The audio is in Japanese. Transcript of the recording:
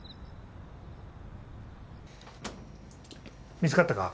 見つかったか？